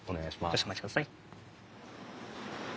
少しお待ちください。